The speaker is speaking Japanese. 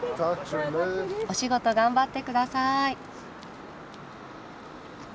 お仕事頑張って下さい。